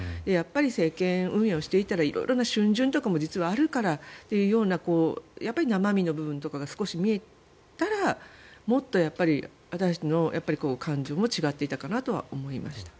政権運営をしていたら色んな、しゅん巡とかも実はあるからというような生身の部分とかが少し見えたらもっと私たちの感情も違っていたかなとは思いました。